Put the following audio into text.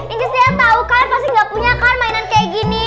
inci sedia tau kan pasti gak punya kan mainan kayak gini